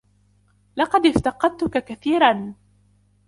لقد افتقدتك كثيراً.